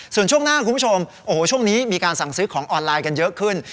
ส่วนช่วงหน้าคุณผู้ชมโอ้โหช่วงนี้มีการสั่งซื้อของออนไลน์กันเยอะขึ้น